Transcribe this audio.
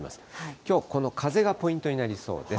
きょう、この風がポイントになりそうです。